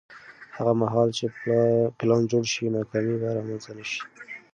هغه مهال چې پلان جوړ شي، ناکامي به رامنځته نه شي.